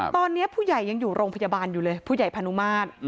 ตอนนี้ผู้ใหญ่ยังอยู่โรงพยาบาลอยู่เลยผู้ใหญ่พานุมาตร